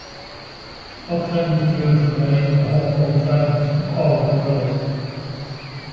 Buck then withdrew from many of her old friends and quarreled with others.